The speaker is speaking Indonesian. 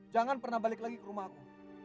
jangan pernah balik lagi ke rumah aku